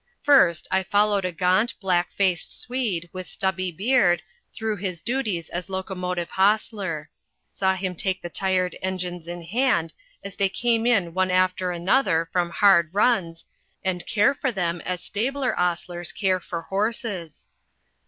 First, I followed a gaunt, black faced Swede, with stubby beard, through his duties as locomotive hostler; saw him take the tired engines in hand, as they came in one after another from hard runs, and care for them as stable hostlers care for horses.